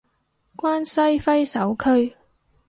關西揮手區